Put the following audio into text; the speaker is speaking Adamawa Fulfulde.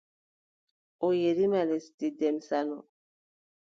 O yerima lesdi Demsa no.